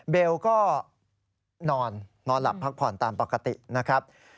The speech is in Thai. เบลก็นอนนอนหลับพักผ่อนตามปกตินะครับ